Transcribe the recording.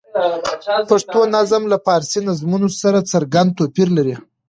پښتو نظم له فارسي نظمونو سره څرګند توپیر لري.